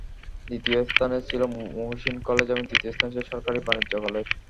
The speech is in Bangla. দ্বিতীয় স্থানে ছিল মুহসীন কলেজ এবং তৃতীয় স্থানে ছিল সরকারি বাণিজ্য কলেজ।